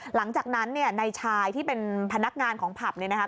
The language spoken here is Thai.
หลังจากนั้นเนี่ยในชายที่เป็นพนักงานของผับเนี่ยนะคะ